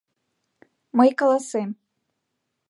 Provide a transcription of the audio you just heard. Мый каласем.